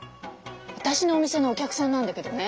私のお店のお客さんなんだけどね。